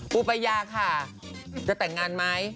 ปูปัญญาค่ะจะแต่งงานมา